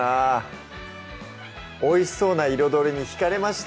おいしそうな彩りにひかれました